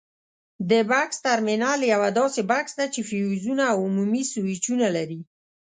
د بکس ترمینل یوه داسې بکس ده چې فیوزونه او عمومي سویچونه لري.